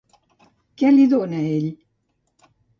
Què li dona ell?